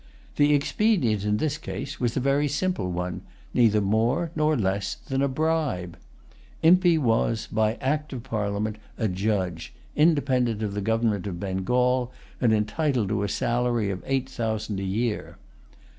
The expedient, in this case, was a very simple one, neither more nor less than a bribe. Impey was, by act of Parliament, a judge, independent of the government of Bengal, and entitled to a salary of eight thousand a year.